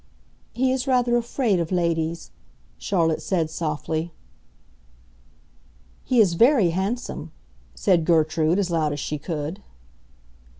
"He is rather afraid of ladies," Charlotte said, softly. "He is very handsome," said Gertrude, as loud as she could.